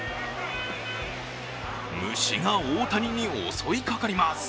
虫が大谷に襲いかかります。